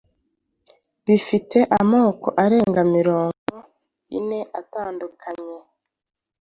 bifite amoko arenga mirongo ine atandukanye